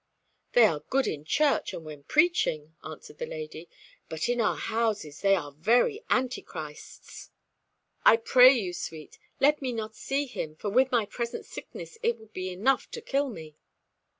"They are good in church and when preaching," answered the lady, "but in our houses they are very antichrists. I pray you, sweet, let me not see him, for with my present sickness it would be enough to kill me."